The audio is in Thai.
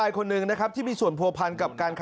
เหตุการณ์นี้เกิดขึ้นเมื่อวันที่๑๑พฤศจิกายนที่ผ่านมานะครับ